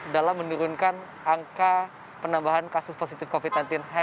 dalam menurunkan angka penambahan kasus positif covid sembilan belas